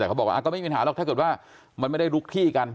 แต่เขาบอกว่าก็ไม่มีปัญหาหรอกถ้าเกิดว่ามันไม่ได้ลุกที่กัน